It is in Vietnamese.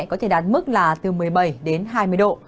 có thể đạt mức là từ một mươi bảy đến hai mươi độ